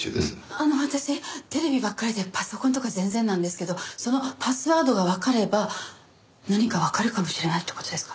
あの私テレビばっかりでパソコンとか全然なんですけどそのパスワードがわかれば何かわかるかもしれないって事ですか？